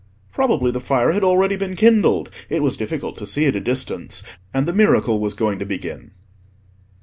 Probably the fire had already been kindled—it was difficult to see at a distance—and the miracle was going to begin.